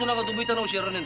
直しやらねえ。